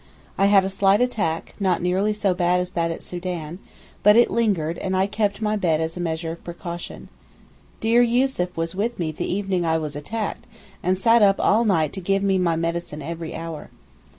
I had a slight attack, not nearly so bad as that at Soden, but it lingered and I kept my bed as a measure of precaution. Dear Yussuf was with me the evening I was attacked, and sat up all night to give me my medicine every hour.